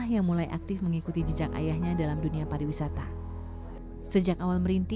yang penting itu bisa berguna untuk semua orang